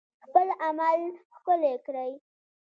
خپل عمل ښکلی کړئ